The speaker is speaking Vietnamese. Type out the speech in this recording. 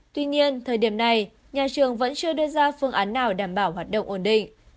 tuy nhiên thời điểm này nhà trường vẫn chưa đưa ra phương án nào đảm bảo hoạt động ổn định